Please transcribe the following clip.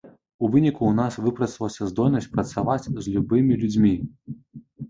У выніку ў нас выпрацавалася здольнасць працаваць з любымі людзьмі.